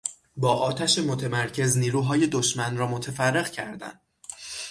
با آتش متمرکز نیروهای دشمن را متفرق کردن